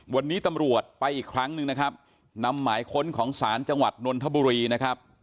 วันนี้ตำรวจไปอีกครั้งหนึ่งนะครับนำหมายค้นของศาลจังหวัดนนทบุรีนะครับ